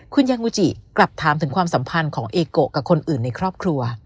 คุณยางูจิกลับถามถึงความสัมพันธ์ของเอโกะกับคนอื่นในครอบครัว